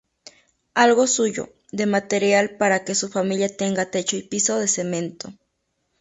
Algo suyo, "de material" para que su familia tenga techo y piso de cemento.